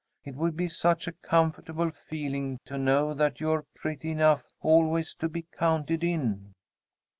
It would be such a comfortable feeling to know that you're pretty enough always to be counted in."